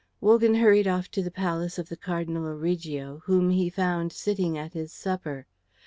Wogan hurried off to the palace of the Cardinal Origo, whom he found sitting at his supper.